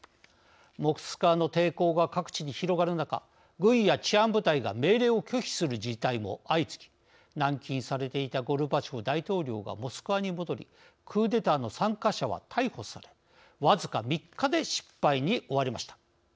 モスクワの抵抗が各地に広がる中軍や治安部隊が命令を拒否する事態も相次ぎ軟禁されていたゴルバチョフ大統領がモスクワに戻りクーデターの参加者は逮捕され僅か３日で失敗に終わりました。